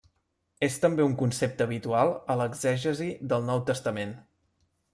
És també un concepte habitual a l'exegesi del Nou Testament.